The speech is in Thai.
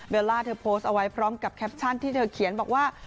ล่าเธอโพสต์เอาไว้พร้อมกับแคปชั่นที่เธอเขียนบอกว่า